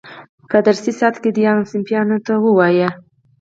په درسي ساعت کې دې ټولګیوالو ته ووایي.